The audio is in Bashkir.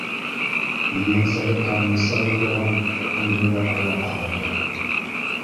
Ейәнсәре Тандыса йоҡлаған бүлмәгә ҡолаҡ һалды.